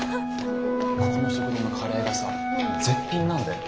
ここの食堂のカレーがさ絶品なんだよ。